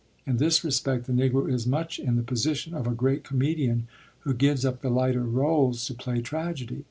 In this respect the Negro is much in the position of a great comedian who gives up the lighter roles to play tragedy.